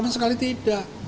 sama sekali tidak